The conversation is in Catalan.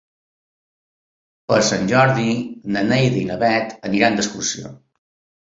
Per Sant Jordi na Neida i na Bet aniran d'excursió.